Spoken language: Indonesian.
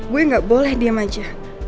gue gak boleh diem aja